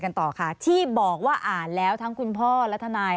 แต่ช่วงหน้ามาคุยกันต่อค่ะที่บอกว่าอ่านแล้วทั้งคุณพ่อและทนาย